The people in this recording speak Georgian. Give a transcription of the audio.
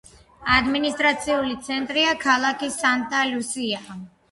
ადმინისტრაციული ცენტრია ქალაქი სანტა-ლუსია.